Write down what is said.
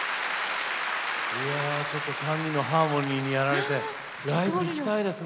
ちょっと３人のハーモニーにやられてライブ行きたいですね。